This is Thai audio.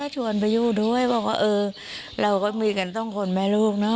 ชวนไปอยู่ด้วยบอกว่าเออเราก็มีกันต้องคนแม่ลูกเนาะ